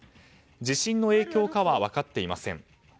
地震の影響かは分かっていません。